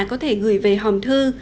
có thể gửi về hòm thư